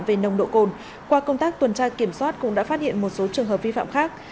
về nồng độ cồn qua công tác tuần tra kiểm soát cũng đã phát hiện một số trường hợp vi phạm khác